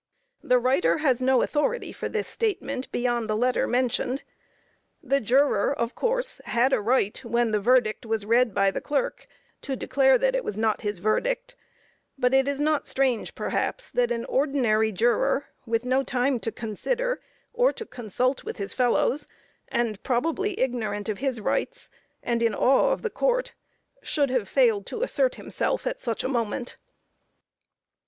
The writer has no authority for this statement, beyond the letter mentioned. The juror, of course, had a right, when the verdict was read by the clerk, to declare that it was not his verdict, but it is not strange, perhaps, that an ordinary juror, with no time to consider, or to consult with his fellows, and probably ignorant of his rights, and in awe of the Court, should have failed to assert himself at such a moment.